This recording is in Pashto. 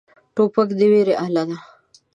توپک د ویرې اله دی.